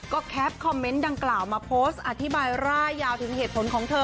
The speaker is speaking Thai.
ก็แคปคอมเมนต์ดังกล่าวมาโพสต์อธิบายร่ายยาวถึงเหตุผลของเธอ